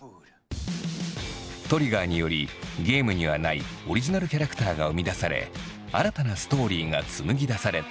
ＴＲＩＧＧＥＲによりゲームにはないオリジナルキャラクターが生み出され新たなストーリーが紡ぎ出された。